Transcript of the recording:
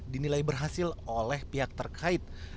dinilai berhasil oleh pihak terkait